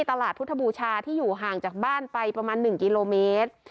ตลาดพุทธบูชาที่อยู่ห่างจากบ้านไปประมาณ๑กิโลเมตร